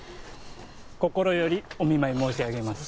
心よりお見舞い申し上げます